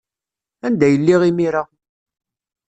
Anda ay lliɣ imir-a?